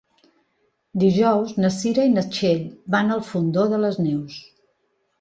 Dijous na Cira i na Txell van al Fondó de les Neus.